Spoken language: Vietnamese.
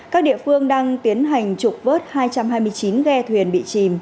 các địa phương đang tiến hành trục vớt hai trăm hai mươi chín ghe thuyền bị chìm